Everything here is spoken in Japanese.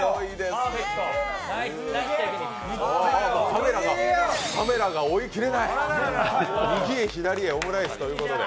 ああ、もうカメラが追い切れない右へ左へオムライスということで。